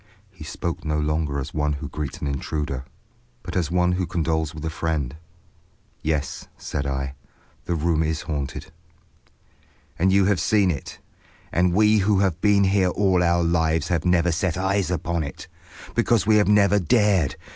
He spoke no longer as one who greets an intruder, but as one who condoles with a friend. "Yes," said I, "the room is haunted." "And you have seen it. And we who have been here all our lives have never set eyes upon it. Because we have never dared.